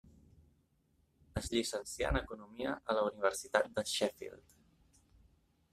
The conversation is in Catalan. Es llicencià en economia a la Universitat de Sheffield.